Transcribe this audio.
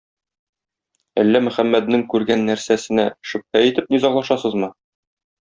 Әллә Мөхәммәднең күргән нәрсәсенә шөбһә итеп низаглашасызмы?